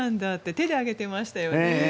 手で揚げてましたよね。